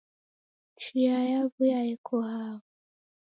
Chia yewuya yeko hao